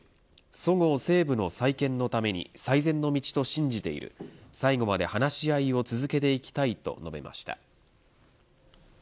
そごう・西武の再建のために最善の道と信じている最後まで話し合いを続けていきたいと述べました。